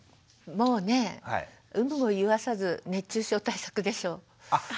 もうね有無を言わさず熱中症対策でしょう。